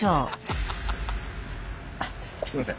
あっすいません。